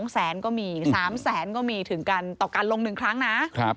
๒แสนก็มี๓แสนก็มีถึงกันต่อการลง๑ครั้งนะ